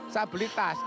saya beli tas